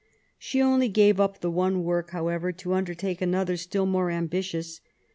She only gave up the one work^ however^ to undertake another still more ambitious.